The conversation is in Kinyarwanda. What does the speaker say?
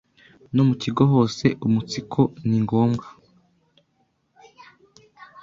no mu kigo hose umunsiko ni ngombwa